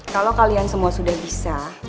kalau kalian semua sudah bisa